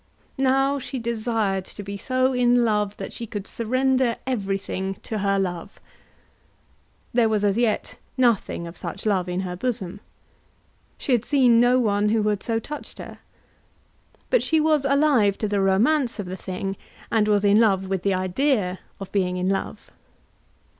Now she desired to be so in love that she could surrender everything to her love. There was as yet nothing of such love in her bosom. She had seen no one who had so touched her. But she was alive to the romance of the thing, and was in love with the idea of being in love.